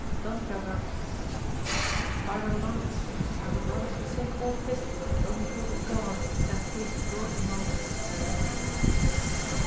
Don Gavarte, said Amadis, if I were longing sick, I would rather forsake all physic and only hope in God, than taste your emulsions and electuaries.